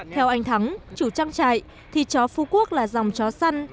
theo anh thắng chủ trang trại thì chó phú quốc là dòng chó săn